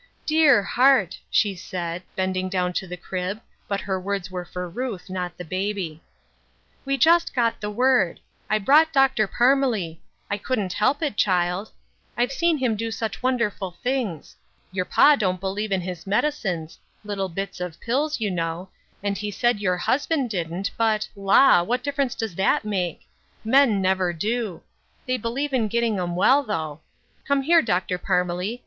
" Dear heart," she said, bending down to the crib, but her words were for Ruth, not the baby. '*We just got the word. I brought Dr. Par* •Tf^elee ; I conldTrt help it, child ; I've seen him ''The Oil of Joy r 429 Ao such wonderful things. Youi' pa dont believe in his medicines — little bits of pills, you know — and he said your husband didn't but, la ! what difference does that make ? Men never do. They believe in getting 'em well, though. Come here, Dr. Parmelee.